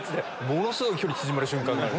すごい距離縮まる瞬間がある。